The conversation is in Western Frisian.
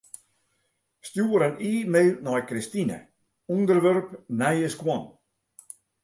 Stjoer in e-mail nei Kristine, ûnderwerp nije skuon.